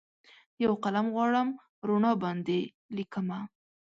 یوقلم غواړم روڼا باندې لیکمه